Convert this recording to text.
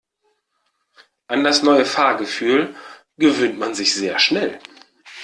An das neue Fahrgefühl gewöhnt man sich sehr schnell.